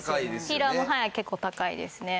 ピーラーも結構高いですね。